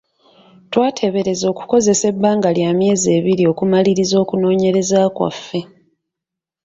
Twateebereza okukozesa ebbanga lya myezi ebiri okumaliriza okunoonyereza kwaffe.